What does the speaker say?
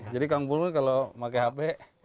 jadi kang pulwuy kalau pakai hp